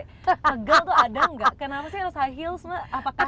pegel tuh ada gak kenapa sih harus high heels mbak apakah